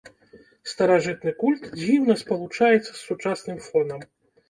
Старажытны культ дзіўна спалучаецца з сучасным фонам.